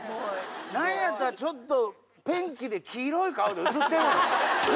なんやったらちょっとペンキで黄色い顔で映ってる。